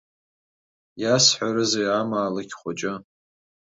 Иасҳәарызи амаалықь хәыҷы?